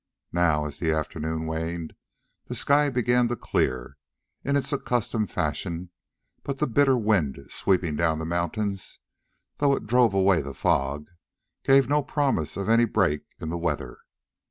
Now, as the afternoon waned, the sky began to clear in its accustomed fashion; but the bitter wind sweeping down the mountains, though it drove away the fog, gave no promise of any break in the weather.